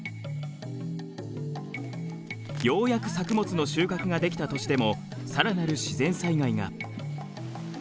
ようやく作物の収穫ができた年でも更なる自然災害が。